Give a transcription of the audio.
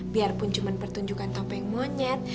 biarpun cuma pertunjukan topeng monyet